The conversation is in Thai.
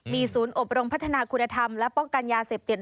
มีศูนย์อบรมพัฒนาคุณธรรมและป้องกันยาเสพติด